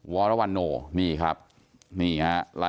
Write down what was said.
วรวรรณโนนี่ครับนี่ฮะ